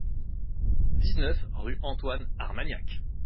dix-neuf rue Antoine Armagnac